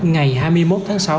ngày hai mươi một tháng sáu